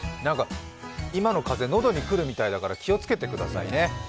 今の風邪、喉にくるみたいだから気をつけてくださいね。